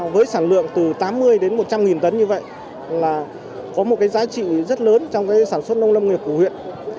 với sản lượng từ tám mươi đến một trăm linh tấn như vậy là có một cái giá trị rất lớn trong cái sản xuất nông lâm nghiệp của huyện